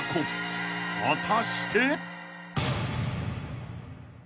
［果たして］